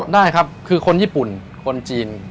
ได้ครับคุณญี่ปุ่นคนจีนครับ